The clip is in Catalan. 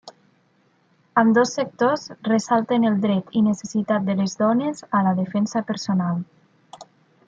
Ambdós sectors ressalten el dret i necessitat de les dones a la defensa personal.